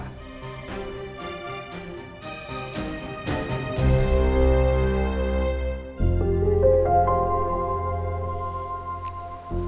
kamu istirahat ya sayang